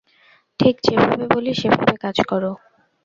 ঠিক যেভাবে বলি সেভাবে কাজ করো।